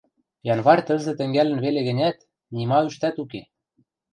Январь тӹлзӹ тӹнгӓлӹн веле гӹнят, нима ӱштӓт уке.